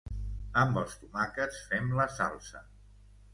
Amb els tomàquets fem la salsa.